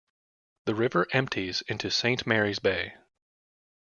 The river empties into Saint Mary's Bay.